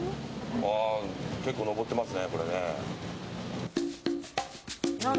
結構登ってますね。